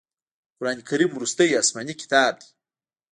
قرآن کریم وروستی اسمانې کتاب دی.